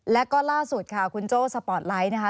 แล้วก็ล่าสุดค่ะคุณโจ้สปอร์ตไลท์นะคะ